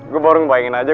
gue baru ngebayangin aja